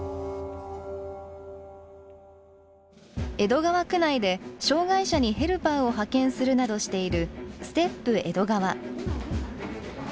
江戸川区内で障害者にヘルパーを派遣するなどしている「ＳＴＥＰえどがわ」。